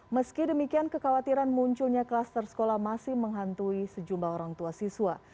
meski demikian kekhawatiran munculnya klaster sekolah masih menghantui sejumlah orang tua siswa